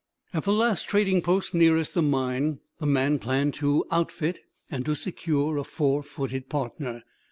At the last trading post nearest the mine the man planned to "outfit" and to secure a four footed partner.